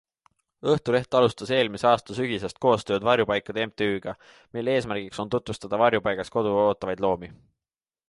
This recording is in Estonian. Õhtuleht alustas eelmise aasta sügisest koostööd Varjupaikade MTÜga, mille eesmärgiks on tutvustada varjupaigas kodu ootavaid loomi.